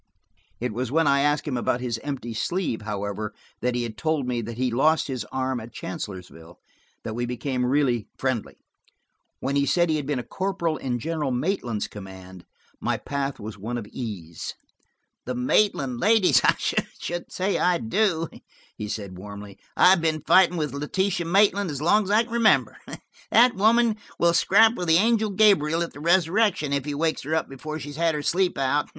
It was when I asked him about his empty sleeve, however, and he had told me that he lost his arm at Chancellorsville, that we became really friendly. When he said he had been a corporal in General Maitland's command, my path was one of ease. "The Maitland ladies! I should say I do," he said warmly. "I've been fighting with Letitia Maitland as long as I can remember. That woman will scrap with the angel Gabriel at the resurrection, if he wakes her up before she's had her sleep out."